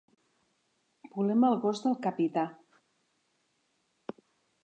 Volem el gos del capità.